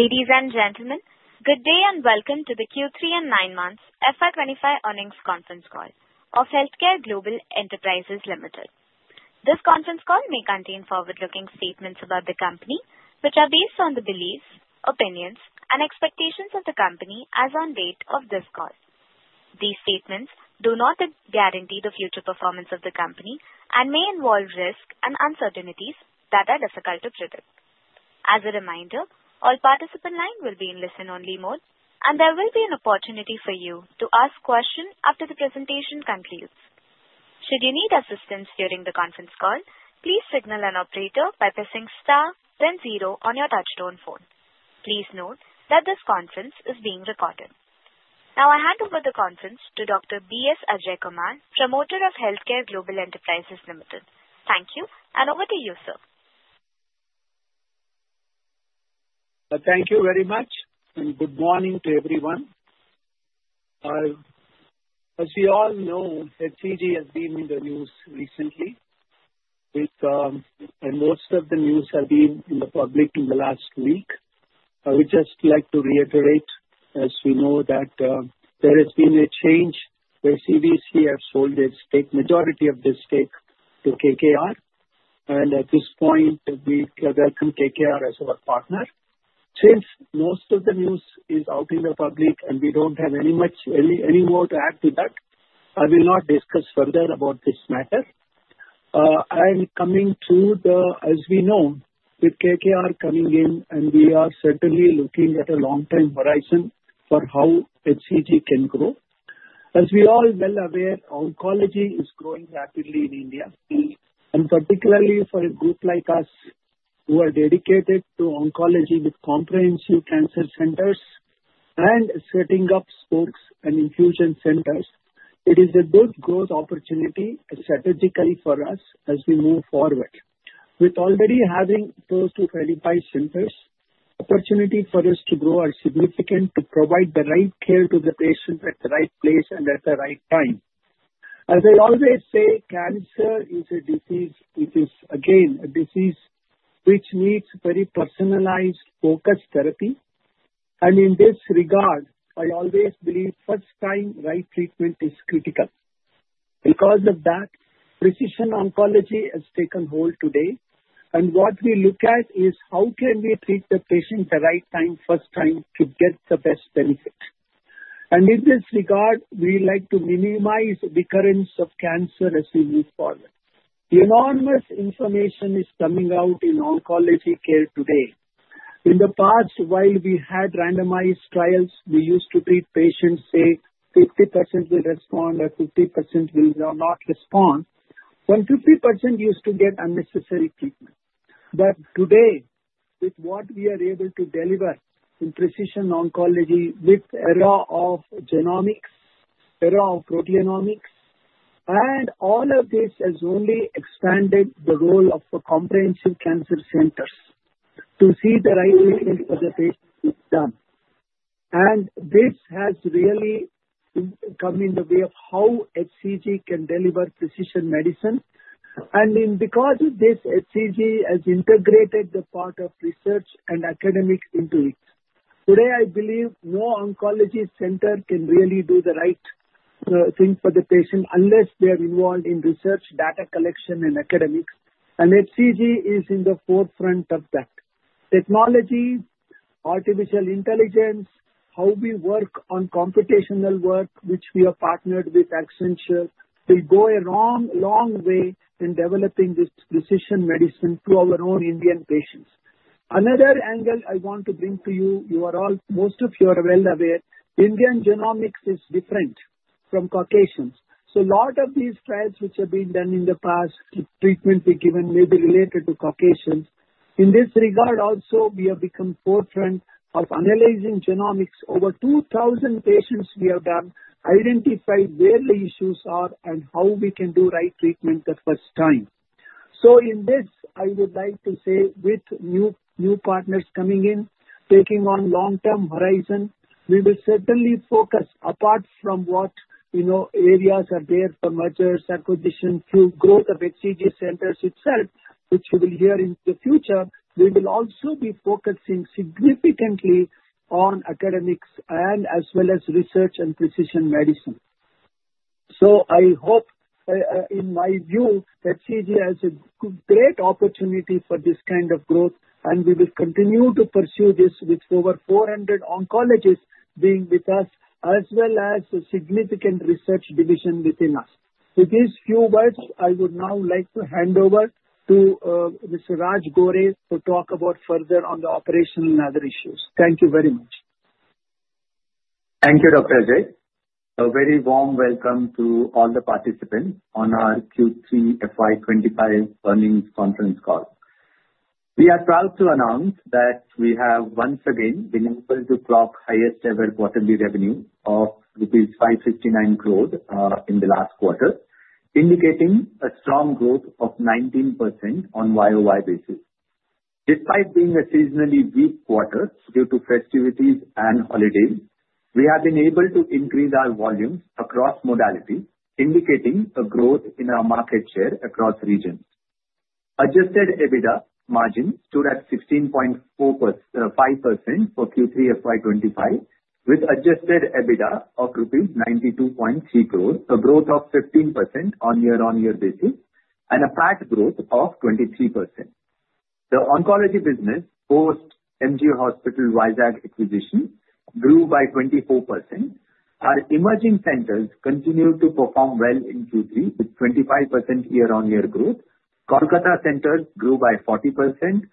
Ladies and gentlemen, good day and welcome to the Q3 and nine months FY25 earnings conference call of HealthCare Global Enterprises Limited. This conference call may contain forward-looking statements about the company, which are based on the beliefs, opinions, and expectations of the company as of the date of this call. These statements do not guarantee the future performance of the company and may involve risks and uncertainties that are difficult to predict. As a reminder, all participants' lines will be in listen-only mode, and there will be an opportunity for you to ask questions after the presentation concludes. Should you need assistance during the conference call, please signal an operator by pressing star then zero on your touch-tone phone. Please note that this conference is being recorded. Now, I hand over the conference to Dr. B. S. Ajaikumar, promoter of HealthCare Global Enterprises Limited. Thank you, and over to you, sir. Thank you very much, and good morning to everyone. As you all know, HCG has been in the news recently, and most of the news has been in the public in the last week. I would just like to reiterate, as we know, that there has been a change where CVC has sold its stake, majority of the stake, to KKR. And at this point, we welcome KKR as our partner. Since most of the news is out in the public and we don't have any more to add to that, I will not discuss further about this matter. I am coming to the, as we know, with KKR coming in, and we are certainly looking at a long-term horizon for how HCG can grow. As we are all well aware, oncology is growing rapidly in India, and particularly for a group like us who are dedicated to oncology with comprehensive cancer centers and setting up spokes and infusion centers. It is a good growth opportunity strategically for us as we move forward. With already having close to 35 centers, the opportunity for us to grow is significant to provide the right care to the patients at the right place and at the right time. As I always say, cancer is a disease which is, again, a disease which needs very personalized, focused therapy. In this regard, I always believe first-time right treatment is critical. Because of that, precision oncology has taken hold today, and what we look at is how can we treat the patient at the right time, first-time, to get the best benefit. In this regard, we like to minimize recurrence of cancer as we move forward. Enormous information is coming out in oncology care today. In the past, while we had randomized trials, we used to treat patients, say, 50% will respond or 50% will not respond, when 50% used to get unnecessary treatment. But today, with what we are able to deliver in precision oncology with the era of genomics, era of proteomics, and all of this has only expanded the role of comprehensive cancer centers to see the right treatment for the patient is done. This has really come in the way of how HCG can deliver precision medicine. Because of this, HCG has integrated the part of research and academics into it. Today, I believe no oncology center can really do the right thing for the patient unless they are involved in research, data collection, and academics, and HCG is in the forefront of that. Technology, artificial intelligence, how we work on computational work, which we are partnered with Accenture, will go a long, long way in developing this precision medicine to our own Indian patients. Another angle I want to bring to you, you are all, most of you are well aware, Indian genomics is different from Caucasians. So a lot of these trials which have been done in the past, treatment we've given may be related to Caucasians. In this regard, also, we have become forefront of analyzing genomics. Over 2,000 patients we have done, identified where the issues are and how we can do right treatment the first time. So in this, I would like to say, with new partners coming in, taking on long-term horizon, we will certainly focus, apart from what areas are there for mergers, acquisitions, to grow the HCG centers itself, which you will hear in the future. We will also be focusing significantly on academics and as well as research and precision medicine. So I hope, in my view, HCG has a great opportunity for this kind of growth, and we will continue to pursue this with over 400 oncologists being with us, as well as a significant research division within us. With these few words, I would now like to hand over to Mr. Raj Gore to talk about further on the operational and other issues. Thank you very much. Thank you, Dr. Ajaikumar. A very warm welcome to all the participants on our Q3 FY25 earnings conference call. We are proud to announce that we have once again been able to clock highest-ever quarterly revenue of rupees 559 crore in the last quarter, indicating a strong growth of 19% on YOY basis. Despite being a seasonally weak quarter due to festivities and holidays, we have been able to increase our volumes across modalities, indicating a growth in our market share across regions. Adjusted EBITDA margin stood at 16.5% for Q3 FY25, with adjusted EBITDA of rupees 92.3 crore, a growth of 15% on year-on-year basis, and a PAT growth of 23%. The oncology business, post-MG Hospital Visakhapatnam acquisition, grew by 24%. Our emerging centers continued to perform well in Q3 with 25% year-on-year growth. Kolkata centers grew by 40%,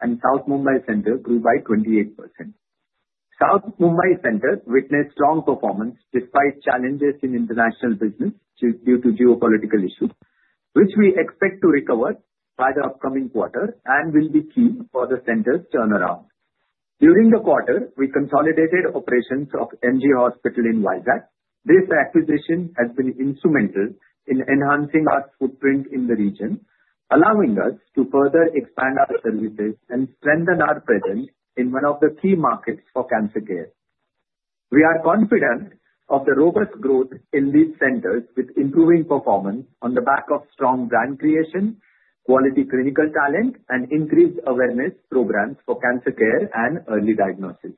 and South Mumbai centers grew by 28%. South Mumbai centers witnessed strong performance despite challenges in international business due to geopolitical issues, which we expect to recover by the upcoming quarter and will be key for the center's turnaround. During the quarter, we consolidated operations of MG Hospital in Visakhapatnam. This acquisition has been instrumental in enhancing our footprint in the region, allowing us to further expand our services and strengthen our presence in one of the key markets for cancer care. We are confident of the robust growth in these centers with improving performance on the back of strong brand creation, quality clinical talent, and increased awareness programs for cancer care and early diagnosis.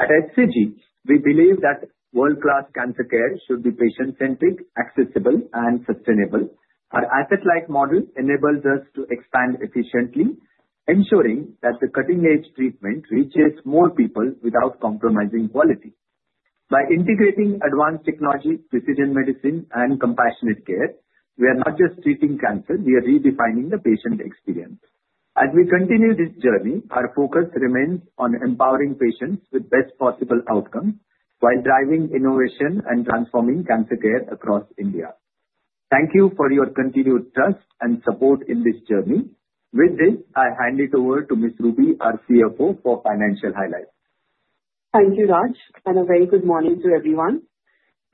At HCG, we believe that world-class cancer care should be patient-centric, accessible, and sustainable. Our asset-like model enables us to expand efficiently, ensuring that the cutting-edge treatment reaches more people without compromising quality. By integrating advanced technology, precision medicine, and compassionate care, we are not just treating cancer. We are redefining the patient experience. As we continue this journey, our focus remains on empowering patients with the best possible outcome while driving innovation and transforming cancer care across India. Thank you for your continued trust and support in this journey. With this, I hand it over to Ms. Ruby, our CFO, for financial highlights. Thank you, Raj, and a very good morning to everyone.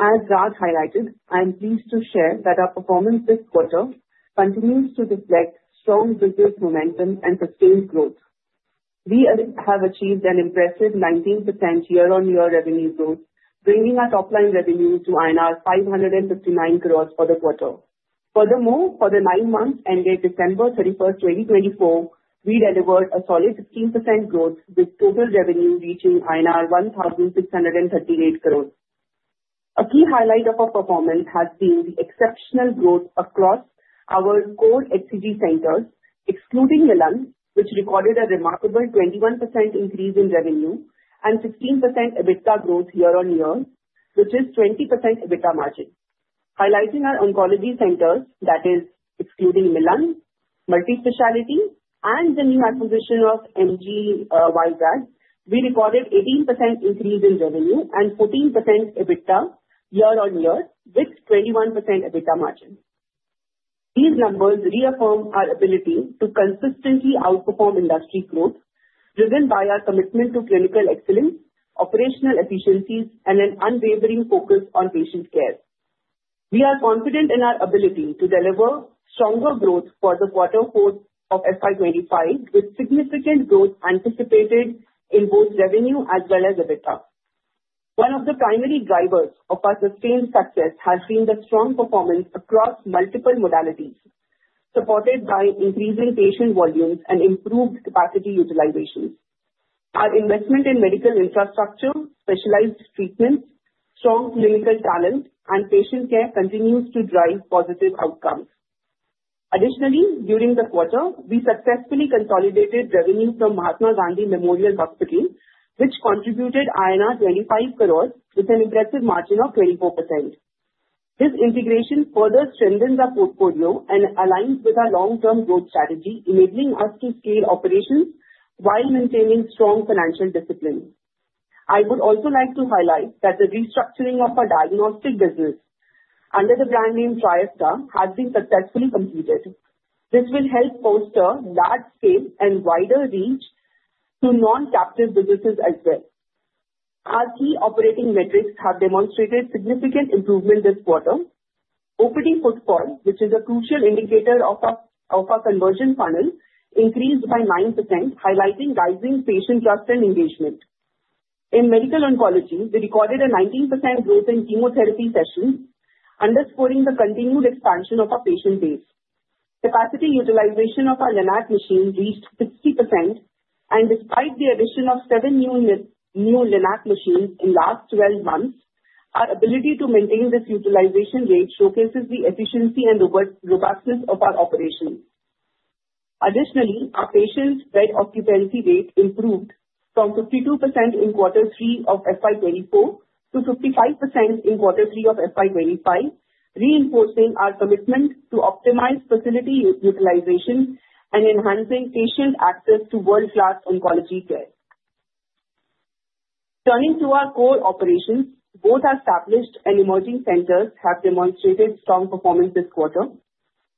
As Raj highlighted, I'm pleased to share that our performance this quarter continues to reflect strong business momentum and sustained growth. We have achieved an impressive 19% year-on-year revenue growth, bringing our top-line revenue to INR 559 crore for the quarter. Furthermore, for the nine months ending December 31, 2024, we delivered a solid 15% growth, with total revenue reaching INR 1,638 crore. A key highlight of our performance has been the exceptional growth across our core HCG centers, excluding Milann, which recorded a remarkable 21% increase in revenue and 15% EBITDA growth year-on-year, which is 20% EBITDA margin. Highlighting our oncology centers, that is, excluding Milann, multi-specialty, and the new acquisition of MG Visakhapatnam, we recorded an 18% increase in revenue and 14% EBITDA year-on-year, with a 21% EBITDA margin. These numbers reaffirm our ability to consistently outperform industry growth, driven by our commitment to clinical excellence, operational efficiencies, and an unwavering focus on patient care. We are confident in our ability to deliver stronger growth for the quarter four of FY25, with significant growth anticipated in both revenue as well as EBITDA. One of the primary drivers of our sustained success has been the strong performance across multiple modalities, supported by increasing patient volumes and improved capacity utilization. Our investment in medical infrastructure, specialized treatments, strong clinical talent, and patient care continues to drive positive outcomes. Additionally, during the quarter, we successfully consolidated revenue from Mahatma Gandhi Memorial Hospital, which contributed INR 25 crore with an impressive margin of 24%. This integration further strengthens our portfolio and aligns with our long-term growth strategy, enabling us to scale operations while maintaining strong financial discipline. I would also like to highlight that the restructuring of our diagnostic business under the brand name Triesta has been successfully completed. This will help bolster large scale and wider reach to non-captive businesses as well. Our key operating metrics have demonstrated significant improvement this quarter. Opening footfall, which is a crucial indicator of our conversion funnel, increased by 9%, highlighting rising patient trust and engagement. In medical oncology, we recorded a 19% growth in chemotherapy sessions, underscoring the continued expansion of our patient base. Capacity utilization of our Linac machines reached 60%, and despite the addition of seven new Linac machines in the last 12 months, our ability to maintain this utilization rate showcases the efficiency and robustness of our operations. Additionally, our patient bed occupancy rate improved from 52% in quarter three of FY24 to 55% in quarter three of FY25, reinforcing our commitment to optimize facility utilization and enhancing patient access to world-class oncology care. Turning to our core operations, both our established and emerging centers have demonstrated strong performance this quarter.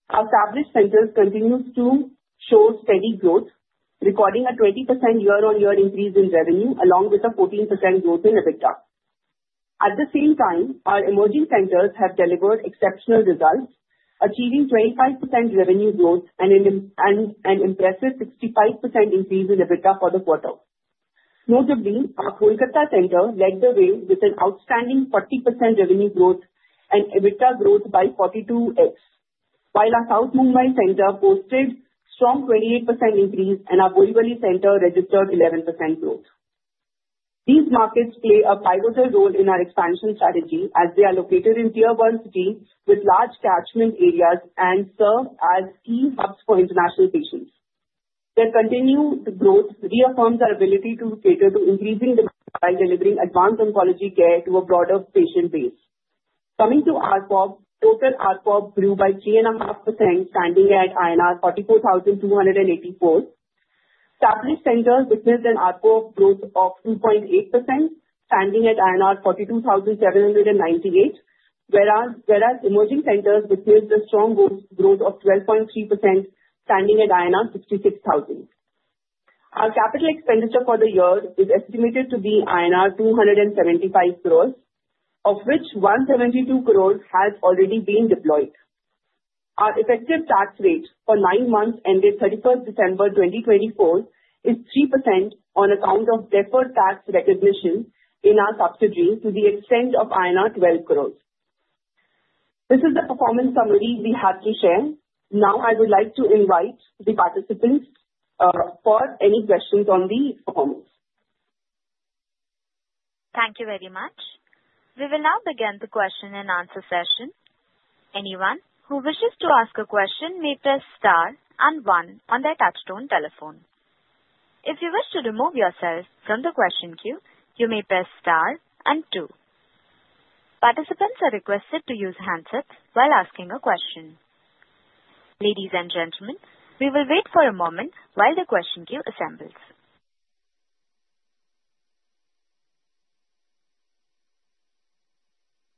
Our established centers continue to show steady growth, recording a 20% year-on-year increase in revenue, along with a 14% growth in EBITDA. At the same time, our emerging centers have delivered exceptional results, achieving 25% revenue growth and an impressive 65% increase in EBITDA for the quarter. Notably, our Kolkata center led the way with an outstanding 40% revenue growth and EBITDA growth by 42x, while our South Mumbai center posted a strong 28% increase, and our Borivali center registered 11% growth. These markets play a pivotal role in our expansion strategy as they are located in Tier 1 city with large catchment areas and serve as key hubs for international patients. Their continued growth reaffirms our ability to cater to increasing demand by delivering advanced oncology care to a broader patient base. Coming to ARPOB, total ARPOB grew by 3.5%, standing at INR 44,284. Established centers witnessed an ARPOB growth of 2.8%, standing at INR 42,798, whereas emerging centers witnessed a strong growth of 12.3%, standing at INR 66,000. Our capital expenditure for the year is estimated to be INR 275 crore, of which 172 crore has already been deployed. Our effective tax rate for nine months ending 31 December 2024 is 3% on account of deferred tax recognition in our subsidy to the extent of INR 12 crore. This is the performance summary we had to share. Now, I would like to invite the participants for any questions on the performance. Thank you very much. We will now begin the question and answer session. Anyone who wishes to ask a question may press star and one on their touch-tone telephone. If you wish to remove yourself from the question queue, you may press star and two. Participants are requested to use handsets while asking a question. Ladies and gentlemen, we will wait for a moment while the question queue assembles.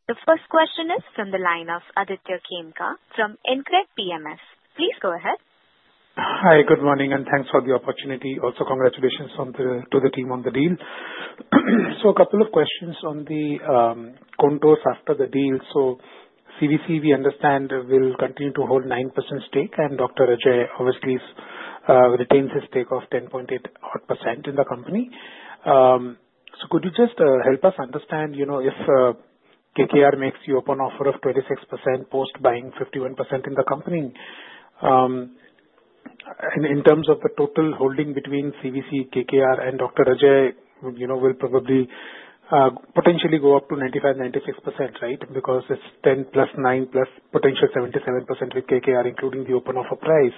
The first question is from the line of Aditya Khemka from InCred PMS. Please go ahead. Hi, good morning, and thanks for the opportunity. Also, congratulations to the team on the deal. So, a couple of questions on the contours after the deal. So, CVC, we understand, will continue to hold 9% stake, and Dr. Ajaikumar obviously retains his stake of 10.8% in the company. So, could you just help us understand if KKR makes an open offer of 26% post-buying 51% in the company? In terms of the total holding between CVC, KKR, and Dr. Ajaikumar, it will probably potentially go up to 95-96%, right? Because it's 10 plus 9 plus potential 77% with KKR, including the open offer price.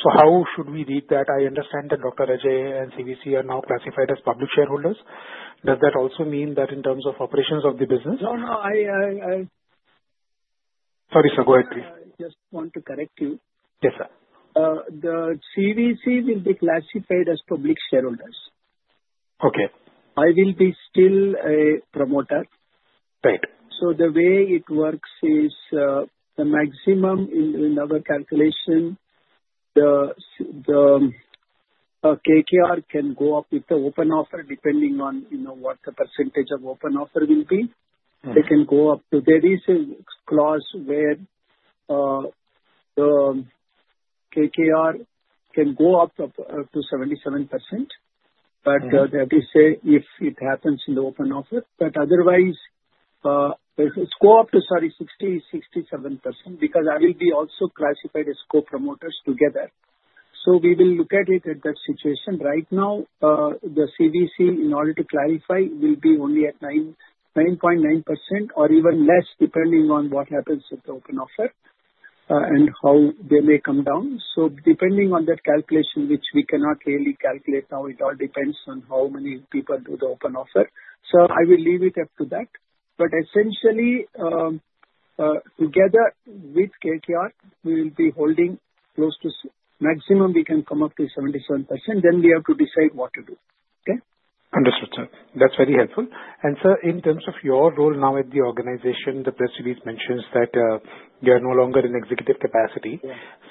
So, how should we read that? I understand that Dr. Ajaikumar and CVC are now classified as public shareholders. Does that also mean that in terms of operations of the business? No, no. Sorry, sir. Go ahead, please. I just want to correct you. Yes, sir. The CVC will be classified as public shareholders. Okay. I will be still a promoter. Right. The way it works is the maximum in our calculation, the KKR can go up with the open offer depending on what the percentage of open offer will be. They can go up to. There is a clause where the KKR can go up to 77%, but that is if it happens in the open offer. But otherwise, if it's go up to, sorry, 60%-67%, because I will be also classified as co-promoters together. So, we will look at it at that situation. Right now, the CVC, in order to clarify, will be only at 9.9% or even less, depending on what happens with the open offer and how they may come down. So, depending on that calculation, which we cannot really calculate now, it all depends on how many people do the open offer. So, I will leave it up to that. But essentially, together with KKR, we will be holding close to, maximum we can come up to 77%. Then we have to decide what to do. Okay? Understood, sir. That's very helpful, and, sir, in terms of your role now at the organization, the press release mentions that you are no longer in executive capacity.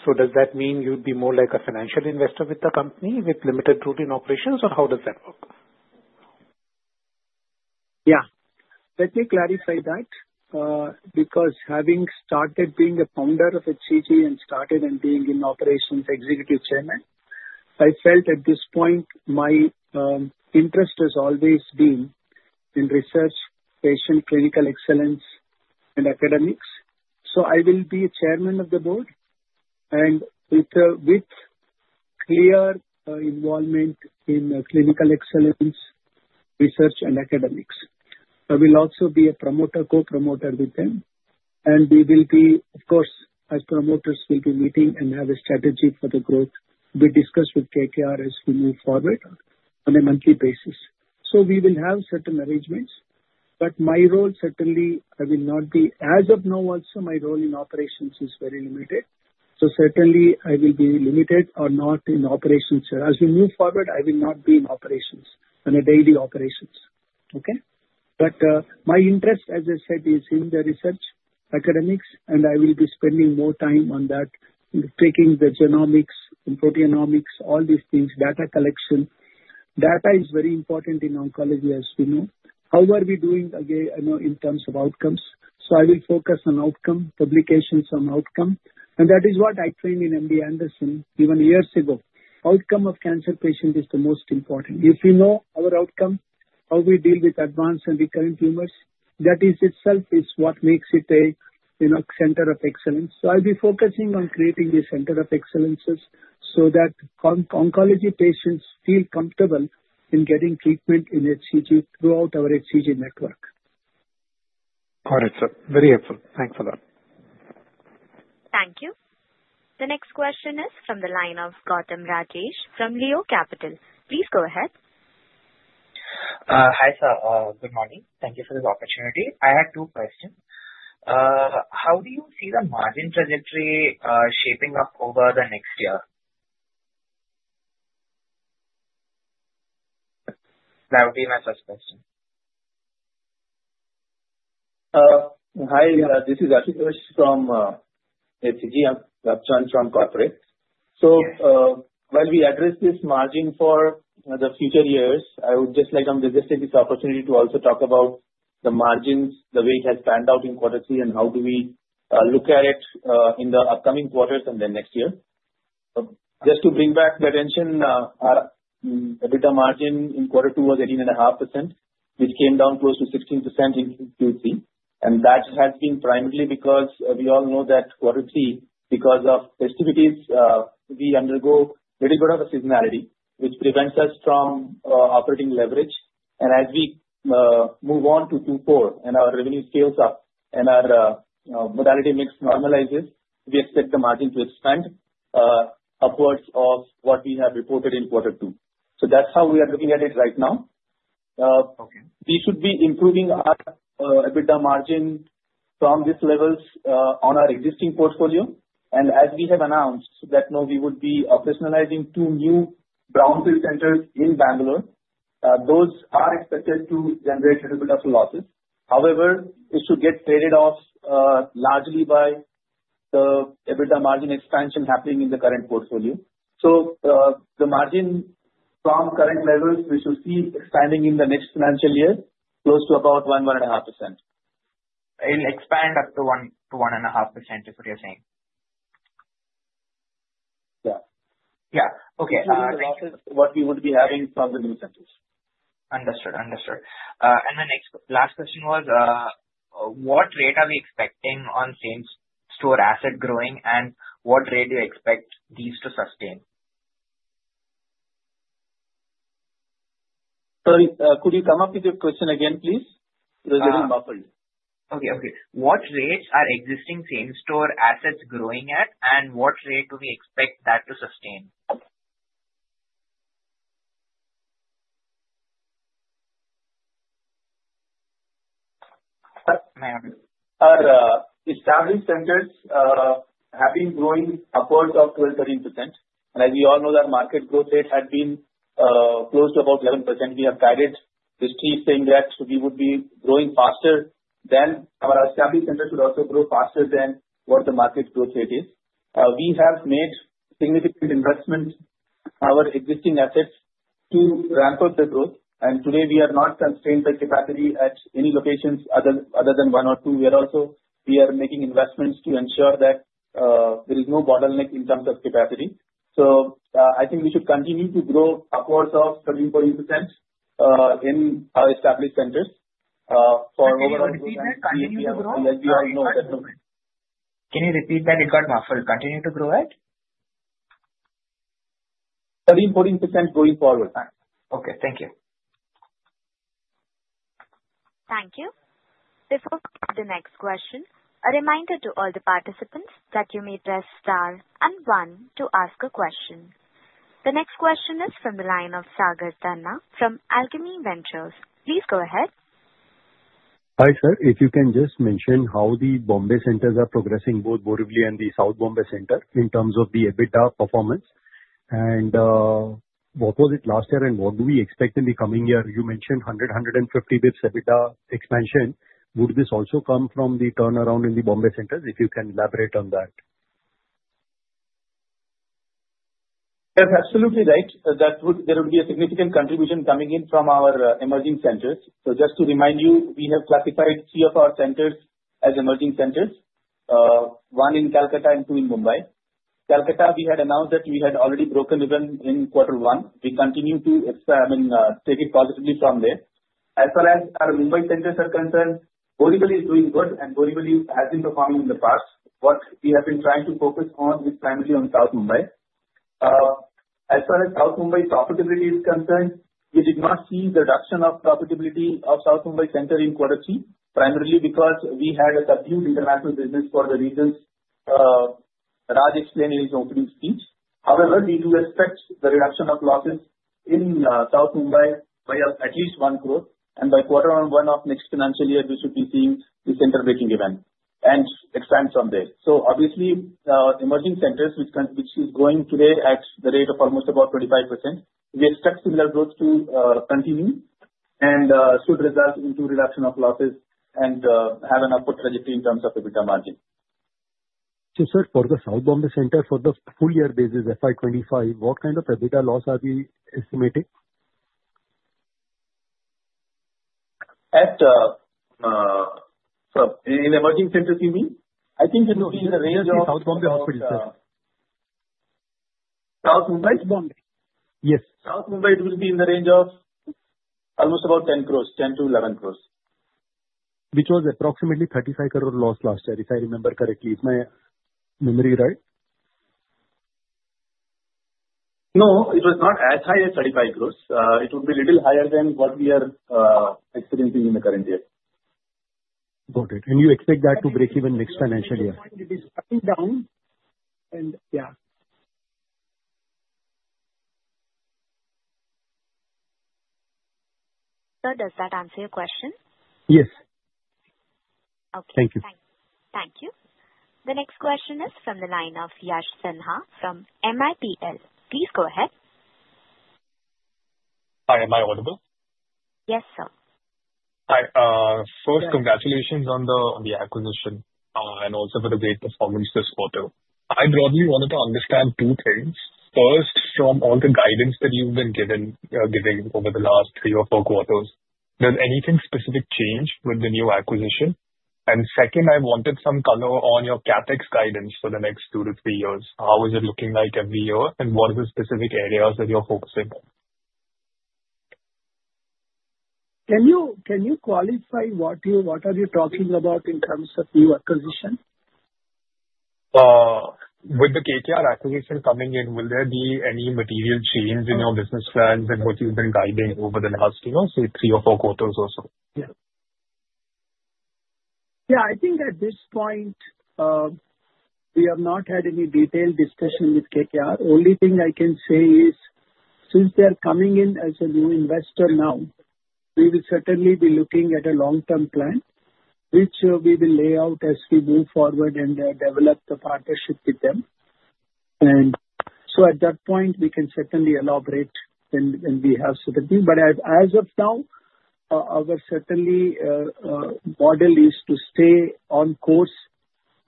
So, does that mean you'd be more like a financial investor with the company with limited routine operations, or how does that work? Yeah. Let me clarify that. Because having started being a founder of HCG and started and being in operations Executive Chairman, I felt at this point my interest has always been in research, patient clinical excellence, and academics. So, I will be chairman of the board and with clear involvement in clinical excellence, research, and academics. I will also be a promoter, co-promoter with them. And we will be, of course, as promoters, we'll be meeting and have a strategy for the growth we discuss with KKR as we move forward on a monthly basis. So, we will have certain arrangements. But my role, certainly, I will not be, as of now, also, my role in operations is very limited. So, certainly, I will be limited or not in operations. As we move forward, I will not be in operations and daily operations. Okay? But my interest, as I said, is in the research, academics, and I will be spending more time on that, taking the genomics, proteomics, all these things, data collection. Data is very important in oncology, as we know. How are we doing in terms of outcomes? So, I will focus on outcome, publications on outcome. And that is what I trained in MD Anderson even years ago. Outcome of cancer patient is the most important. If we know our outcome, how we deal with advanced and recurrent tumors, that in itself is what makes it a center of excellence. So, I'll be focusing on creating this center of excellence so that oncology patients feel comfortable in getting treatment in HCG throughout our HCG network. All right, sir. Very helpful. Thanks for that. Thank you. The next question is from the line of Gautam Rajesh from Leo Capital. Please go ahead. Hi, sir. Good morning. Thank you for the opportunity. I had two questions. How do you see the margin trajectory shaping up over the next year? That would be my first question. Hi, this is Ashutosh from HCG, joining the call. So, while we address this margin for the future years, I would just like to seize this opportunity to also talk about the margins, the way it has panned out in quarter three, and how we look at it in the upcoming quarters and then next year. Just to bring back the attention, the margin in quarter two was 18.5%, which came down close to 16% in Q3. And that has been primarily because we all know that quarter three, because of festivities, we undergo a little bit of a seasonality, which prevents us from operating leverage. And as we move on to Q4 and our revenue scales up and our modality mix normalizes, we expect the margin to expand upwards of what we have reported in quarter two. So, that's how we are looking at it right now. We should be improving our EBITDA margin from these levels on our existing portfolio. And as we have announced that we would be operationalizing two new brownfield centers in Bangalore, those are expected to generate a little bit of losses. However, it should get traded off largely by the EBITDA margin expansion happening in the current portfolio. So, the margin from current levels, we should see expanding in the next financial year close to about 1%-1.5%. Expand up to 1.5%, is what you're saying? Yeah. Yeah. Okay. That's what we would be having from the new centers. Understood. Understood. And the next last question was, what rate are we expecting on same-store asset growing, and what rate do you expect these to sustain? Sorry, could you come up with your question again, please? It was getting muffled. Okay. What rate are existing same-store assets growing at, and what rate do we expect that to sustain? Our established centers have been growing upwards of 12-13%. And as we all know, that market growth rate had been close to about 11%. We have guided this team saying that we would be growing faster. Then our established centers should also grow faster than what the market growth rate is. We have made significant investment in our existing assets to ramp up the growth. And today, we are not constrained by capacity at any locations other than one or two. We are also making investments to ensure that there is no bottleneck in terms of capacity. So, I think we should continue to grow upwards of 13-14% in our established centers for overall growth. Can you repeat that? Continue to grow? Yes, we all know that. Can you repeat that? It got muffled. Continue to grow at? 13-14% going forward. Okay. Thank you. Thank you. Before the next question, a reminder to all the participants that you may press Star and one to ask a question. The next question is from the line of Sagar Tanna from Alchemy Ventures. Please go ahead. Hi, sir. If you can just mention how the Bombay centers are progressing, both Borivali and the South Mumbai center, in terms of the EBITDA performance. And what was it last year, and what do we expect in the coming year? You mentioned 100, 150 basis points EBITDA expansion. Would this also come from the turnaround in the Bombay centers? If you can elaborate on that. You're absolutely right. There will be a significant contribution coming in from our emerging centers. So, just to remind you, we have classified three of our centers as emerging centers: one in Kolkata and two in Mumbai. Kolkata, we had announced that we had already broken even in quarter one. We continue to take it positively from there. As far as our Mumbai centers are concerned, Borivali is doing good, and Borivali has been performing in the past. What we have been trying to focus on is primarily on South Mumbai. As far as South Mumbai profitability is concerned, we did not see the reduction of profitability of South Mumbai center in quarter three, primarily because we had a subdued international business for the reasons Raj explained in his opening speech. However, we do expect the reduction of losses in South Mumbai by at least one crore. And by quarter one of next financial year, we should be seeing the center breaking even and expand from there. So, obviously, emerging centers, which is growing today at the rate of almost about 25%, we expect similar growth to continue and should result in reduction of losses and have an upward trajectory in terms of EBITDA margin. So, sir, for the South Mumbai center, for the full year basis, FY25, what kind of EBITDA loss are we estimating? In emerging centers, you mean? I think it will be in the range of South Mumbai hospitals, sir. South Mumbai? South Mumbai. Yes. South Mumbai, it will be in the range of almost about 10 crores, 10 to 11 crores. Which was approximately 35 crore loss last year, if I remember correctly. Is my memory right? No, it was not as high as 35 crores. It would be a little higher than what we are experiencing in the current year. Got it, and you expect that to break even next financial year? It is coming down, and yeah. Sir, does that answer your question? Yes. Okay. Thank you. Thank you. The next question is from the line of Yash Sanha from MIPL. Please go ahead. Hi. Am I audible? Yes, sir. Hi. First, congratulations on the acquisition and also for the great performance this quarter. I broadly wanted to understand two things. First, from all the guidance that you've been giving over the last three or four quarters, does anything specific change with the new acquisition? And second, I wanted some color on your CapEx guidance for the next two to three years. How is it looking like every year, and what are the specific areas that you're focusing on? Can you qualify what are you talking about in terms of new acquisition? With the KKR acquisition coming in, will there be any material change in your business plans and what you've been guiding over the last, say, three or four quarters or so? Yeah. Yeah, I think at this point, we have not had any detailed discussion with KKR. Only thing I can say is, since they're coming in as a new investor now, we will certainly be looking at a long-term plan, which we will lay out as we move forward and develop the partnership with them. And so, at that point, we can certainly elaborate when we have certain things. But as of now, our current model is to stay on course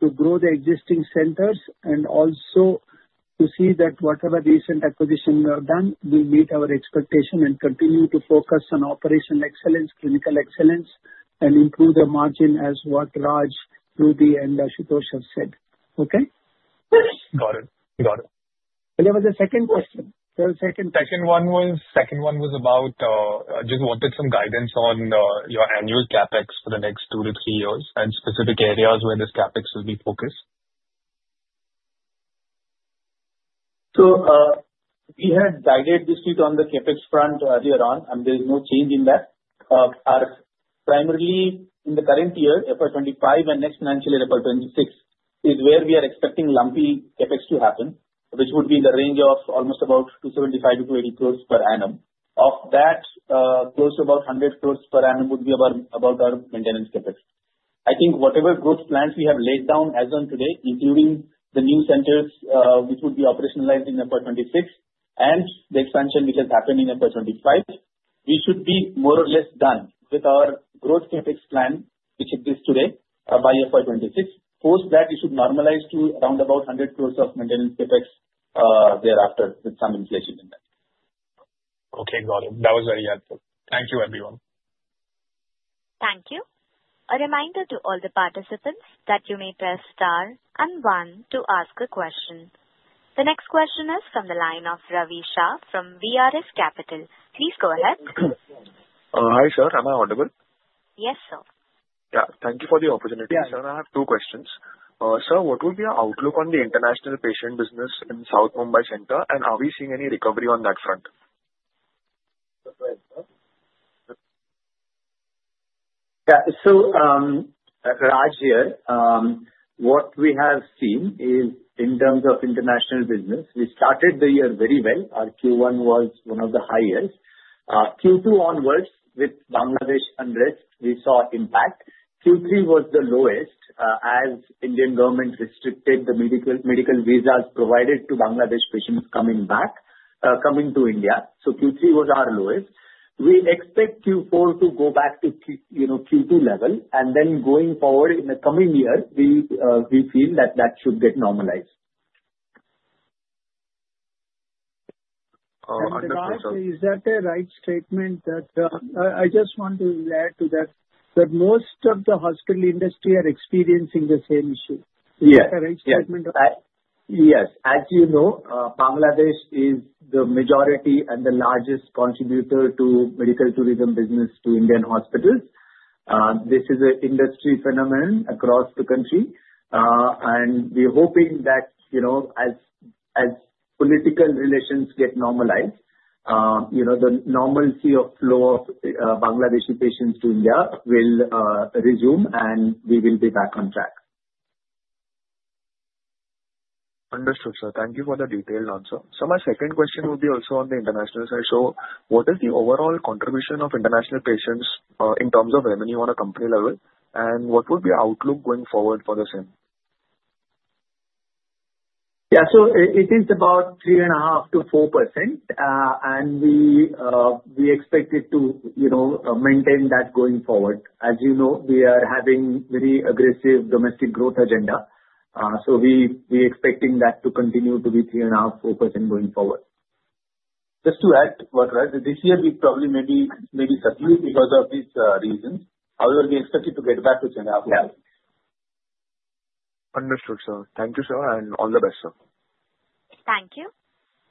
to grow the existing centers and also to see that whatever recent acquisition we have done, we meet our expectation and continue to focus on operational excellence, clinical excellence, and improve the margin as what Raj, Ruby, and Ashutosh have said. Okay? Got it. Got it. There was a second question. Second one was about just wanted some guidance on your annual CapEx for the next two to three years and specific areas where this CapEx will be focused. So we had guided this week on the CapEx front earlier on, and there is no change in that. Primarily, in the current year, FY25 and next financial year, FY26, is where we are expecting lumpy CapEx to happen, which would be in the range of almost about 275-280 crore per annum. Of that, close to about 100 crore per annum would be about our maintenance CapEx. I think whatever growth plans we have laid down as of today, including the new centers, which would be operationalized in FY26, and the expansion which has happened in FY25, we should be more or less done with our growth CapEx plan, which exists today, by FY26. Post that, we should normalize to around about 100 crore of maintenance CapEx thereafter with some inflation in that. Okay. Got it. That was very helpful. Thank you, everyone. Thank you. A reminder to all the participants that you may press Star and one to ask a question. The next question is from the line of Ravi Shah from VRF Capital. Please go ahead. Hi, sir. Am I audible? Yes, sir. Yeah. Thank you for the opportunity. Thank you. Sir, I have two questions. Sir, what will be your outlook on the international patient business in South Mumbai center, and are we seeing any recovery on that front? Yeah. So, Raj here. What we have seen is, in terms of international business, we started the year very well. Our Q1 was one of the highest. Q2 onwards, with Bangladesh under it, we saw impact. Q3 was the lowest as Indian government restricted the medical visas provided to Bangladesh patients coming back, coming to India. So Q3 was our lowest. We expect Q4 to go back to Q2 level, and then going forward in the coming year, we feel that that should get normalized. Raj, is that a right statement that I just want to add to that? That most of the hospital industry are experiencing the same issue. Is that a right statement? Yes. As you know, Bangladesh is the majority and the largest contributor to medical tourism business to Indian hospitals. This is an industry phenomenon across the country, and we are hoping that as political relations get normalized, the normalcy of flow of Bangladeshi patients to India will resume, and we will be back on track. Understood, sir. Thank you for the detailed answer. Sir, my second question would be also on the international side. So, what is the overall contribution of international patients in terms of revenue on a company level, and what would be your outlook going forward for the same? Yeah. So, it is about 3.5%-4%, and we expect it to maintain that going forward. As you know, we are having a very aggressive domestic growth agenda. So, we are expecting that to continue to be 3.5-4% going forward. Just to add, Raj, this year, we probably may be subdued because of these reasons. However, we expect it to get back to 10.5%. Understood, sir. Thank you, sir, and all the best, sir. Thank you.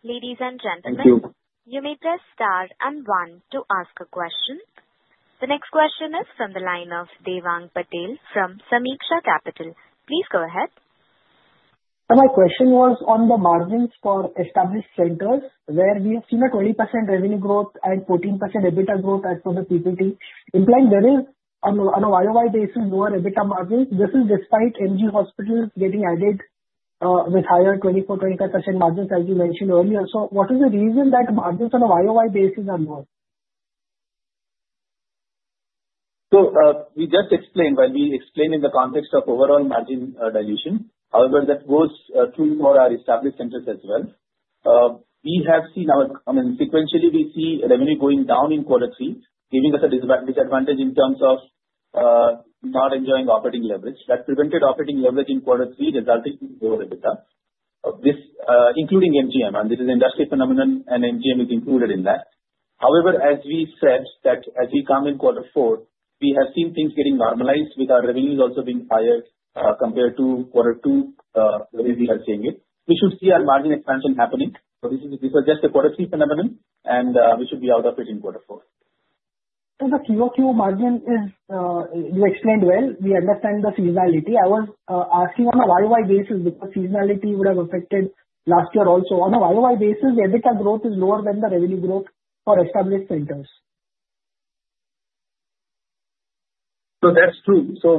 Ladies and gentlemen. Thank you. You may press Star and one to ask a question. The next question is from the line of Devang Patel from Sameeksha Capital. Please go ahead. Sir, my question was on the margins for established centers, where we have seen a 20% revenue growth and 14% EBITDA growth as per the PPT. Implying there is, on a YOY basis, lower EBITDA margins. This is despite MG Hospitals getting added with higher 24%-25% margins, as you mentioned earlier. So, what is the reason that margins on a YOY basis are lower? We just explained when we explained in the context of overall margin dilution. However, that goes true for our established centers as well. We have seen our sequentially, we see revenue going down in quarter three, giving us a disadvantage in terms of not enjoying operating leverage. That prevented operating leverage in quarter three, resulting in lower EBITDA, including MGM. And this is an industry phenomenon, and MGM is included in that. However, as we said, that as we come in quarter four, we have seen things getting normalized with our revenues also being higher compared to quarter two, the way we are seeing it. We should see our margin expansion happening. So, this was just a quarter three phenomenon, and we should be out of it in quarter four. The Q2 margin is, you explained well. We understand the seasonality. I was asking on a YOY basis because seasonality would have affected last year also. On a YOY basis, EBITDA growth is lower than the revenue growth for established centers. So, that's true. So,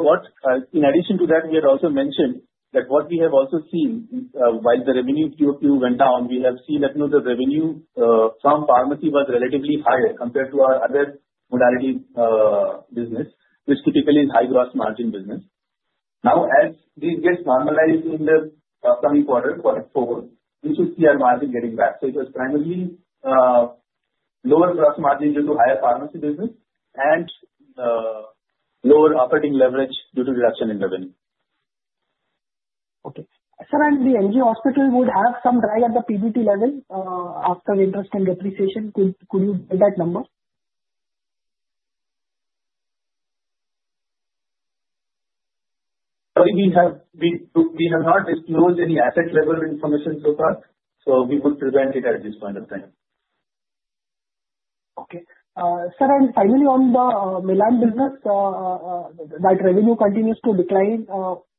in addition to that, we had also mentioned that what we have also seen, while the revenue Q2 went down, we have seen that the revenue from pharmacy was relatively higher compared to our other modality business, which typically is high gross margin business. Now, as this gets normalized in the coming quarter, quarter four, we should see our margin getting back. So, it was primarily lower gross margin due to higher pharmacy business and lower operating leverage due to reduction in revenue. Okay. Sir, and the MG Hospital would have some drag at the PBT level after interest and depreciation. Could you get that number? We have not disclosed any asset level information so far, so we would present it at this point of time. Okay. Sir, and finally, on the Milann business, that revenue continues to decline.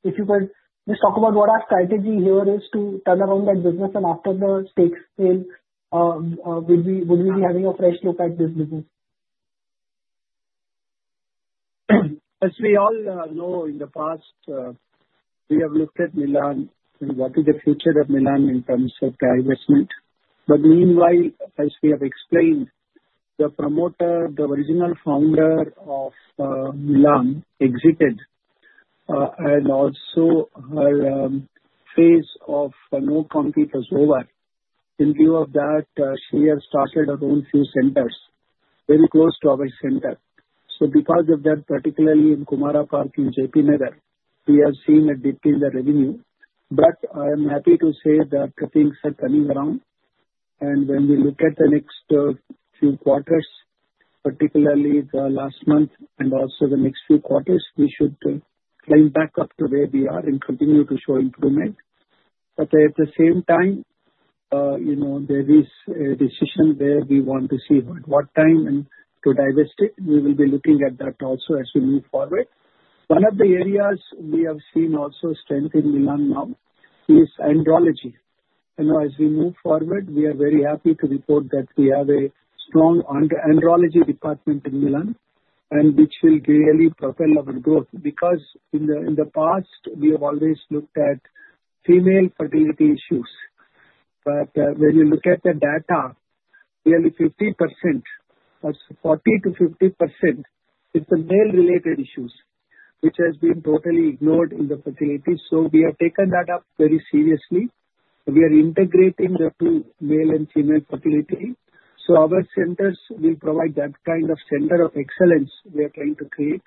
If you could just talk about what our strategy here is to turn around that business, and after the stakes fail, would we be having a fresh look at this business? As we all know, in the past, we have looked at Milann and what is the future of Milann in terms of reinvestment. But meanwhile, as we have explained, the promoter, the original founder of Milann, exited, and also her phase of no concrete was over. In view of that, she has started her own few centers very close to our center. So, because of that, particularly in Kumara Park in J. P. Nagar, we have seen a dip in the revenue. But I am happy to say that things are turning around. And when we look at the next few quarters, particularly the last month and also the next few quarters, we should climb back up to where we are and continue to show improvement. But at the same time, there is a decision where we want to see at what time and to divest it. We will be looking at that also as we move forward. One of the areas we have seen also strength in Milann now is andrology. As we move forward, we are very happy to report that we have a strong andrology department in Milann, which will really propel our growth. Because in the past, we have always looked at female fertility issues. But when you look at the data, nearly 50%, 40%-50%, it's the male-related issues, which has been totally ignored in the fertility. So, we have taken that up very seriously. We are integrating the two male and female fertility. So, our centers will provide that kind of center of excellence we are trying to create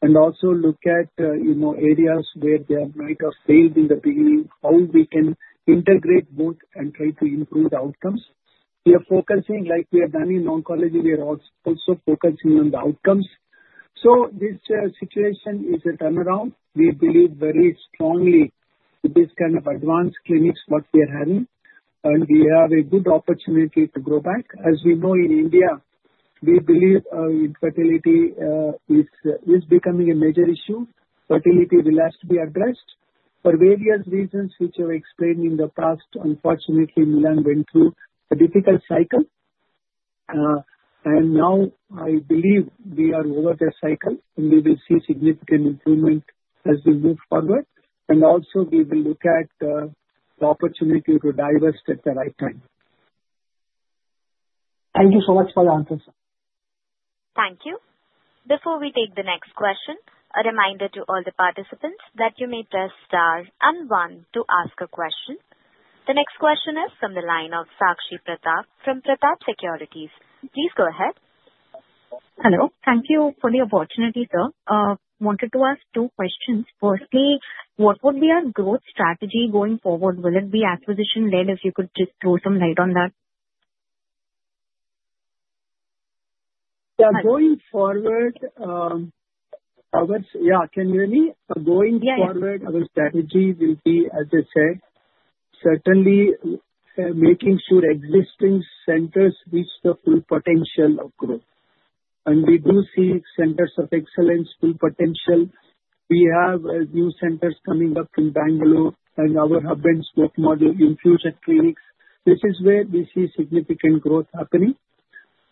and also look at areas where they might have failed in the beginning, how we can integrate both and try to improve the outcomes. We are focusing, like we have done in oncology, we are also focusing on the outcomes. So, this situation is a turnaround. We believe very strongly with this kind of advanced clinics what we are having, and we have a good opportunity to grow back. As we know, in India, we believe infertility is becoming a major issue. Fertility will have to be addressed. For various reasons which I have explained in the past, unfortunately, Milann went through a difficult cycle. And now, I believe we are over the cycle, and we will see significant improvement as we move forward. And also, we will look at the opportunity to divest at the right time. Thank you so much for the answers, sir. Thank you. Before we take the next question, a reminder to all the participants that you may press Star and one to ask a question. The next question is from the line of Saakshi Pratap from Pratap Securities. Please go ahead. Hello. Thank you for the opportunity, sir. Wanted to ask two questions. Firstly, what would be our growth strategy going forward? Will it be acquisition-led? If you could just throw some light on that. Yeah. Going forward, I would say, yeah, can you hear me? Yes. Going forward, our strategy will be, as I said, certainly making sure existing centers reach the full potential of growth. We do see centers of excellence, full potential. We have new centers coming up in Bangalore and our hub and spoke model in future clinics. This is where we see significant growth happening.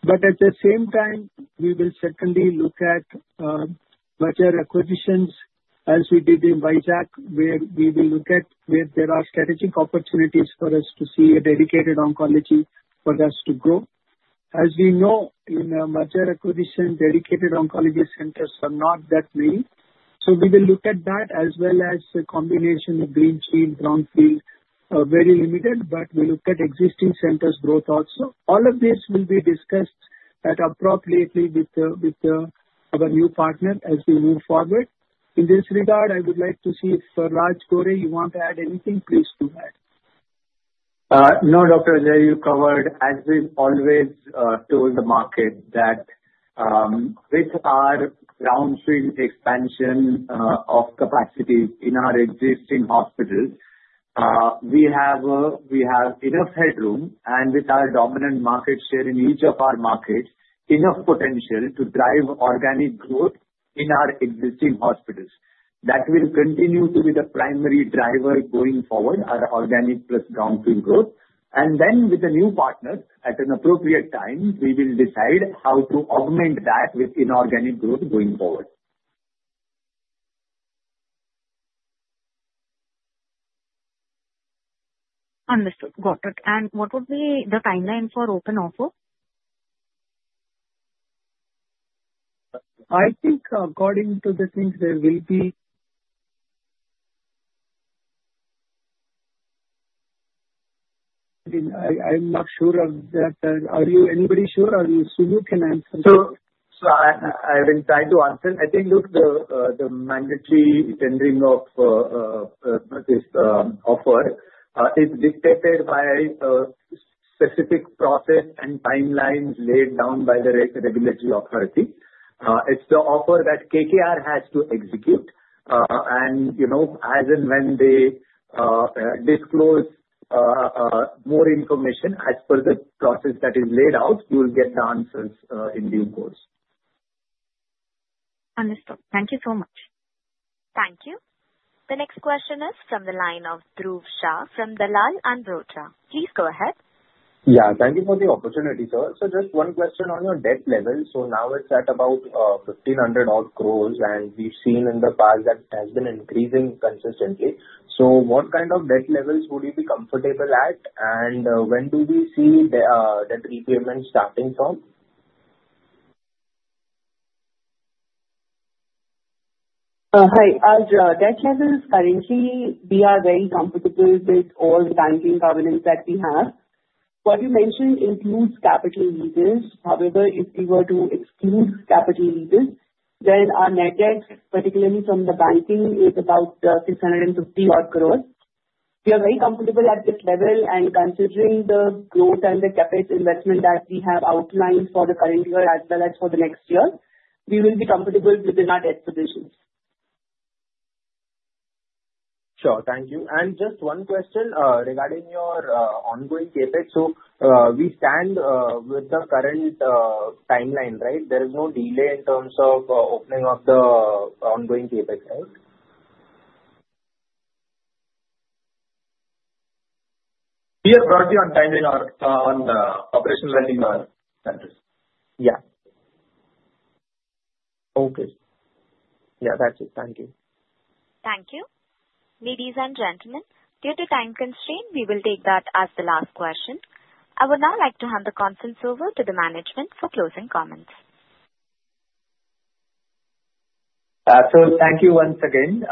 But at the same time, we will certainly look at major acquisitions as we did in Visakh, where we will look at where there are strategic opportunities for us to see a dedicated oncology for us to grow. As we know, in major acquisition, dedicated oncology centers are not that many. So, we will look at that as well as a combination of greenfield, brownfield, very limited, but we look at existing centers' growth also. All of this will be discussed appropriately with our new partner as we move forward. In this regard, I would like to see if Raj Gore, you want to add anything, please do that. No, Dr. Ajaikumar, you covered, as we've always told the market, that with our brownfield expansion of capacity in our existing hospitals, we have enough headroom, and with our dominant market share in each of our markets, enough potential to drive organic growth in our existing hospitals. That will continue to be the primary driver going forward, our organic plus brownfield growth, and then, with the new partner, at an appropriate time, we will decide how to augment that with inorganic growth going forward. Understood, Gautam. And what would be the timeline for open offer? I think, according to the things there will be, I'm not sure of that. Are you anybody sure? Or you can answer? I will try to answer. I think, look, the mandatory tendering of this offer is dictated by specific process and timelines laid down by the regulatory authority. It's the offer that KKR has to execute. And as and when they disclose more information as per the process that is laid out, you will get the answers in due course. Understood. Thank you so much. Thank you. The next question is from the line of Dhruv Shah from Dalal and Broacha. Please go ahead. Yeah. Thank you for the opportunity, sir. Just one question on your debt level. Now it's at about 1,500-odd crores, and we've seen in the past that it has been increasing consistently. What kind of debt levels would you be comfortable at? And when do we see that repayment starting from? Hi. Debt levels, currently, we are very comfortable with all the banking governance that we have. What you mentioned includes capital levers. However, if we were to exclude capital levers, then our net debt, particularly from the banking, is about 650-odd crore. We are very comfortable at this level. Considering the growth and the CapEx investment that we have outlined for the current year as well as for the next year, we will be comfortable within our debt positions. Sure. Thank you. And just one question regarding your ongoing CapEx. So, we stand with the current timeline, right? There is no delay in terms of opening up the ongoing CapEx, right? We are broadly on timeline on operationalizing our centers. Yeah. Okay. Yeah, that's it. Thank you. Thank you. Ladies and gentlemen, due to time constraint, we will take that as the last question. I would now like to hand the conference over to the management for closing comments. Sir, thank you once again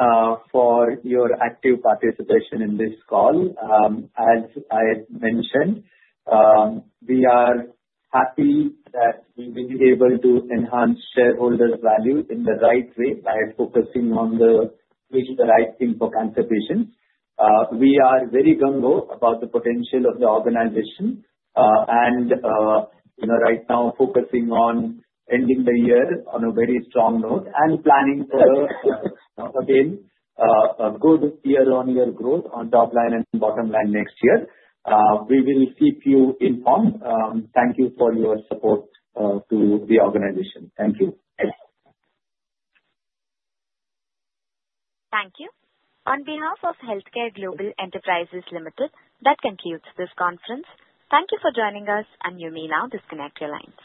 for your active participation in this call. As I mentioned, we are happy that we've been able to enhance shareholders' value in the right way by focusing on the right thing for cancer patients. We are very gung-ho about the potential of the organization and right now focusing on ending the year on a very strong note and planning for, again, a good year-on-year growth on top line and bottom line next year. We will keep you informed. Thank you for your support to the organization. Thank you. Thank you. On behalf of HealthCare Global Enterprises Limited, that concludes this conference. Thank you for joining us, and you may now disconnect your line.